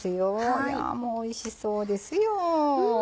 いやぁもうおいしそうですよ。